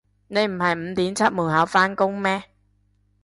你唔係五點出門口返工咩